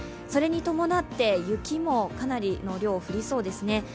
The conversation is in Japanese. それに伴って雪もかなりの量降りそうですね。